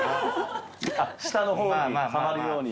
下の方にはまるように。